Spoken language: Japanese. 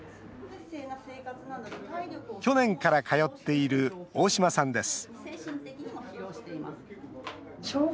去年から通っている大島さんです